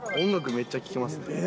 めっちゃ聴きますね。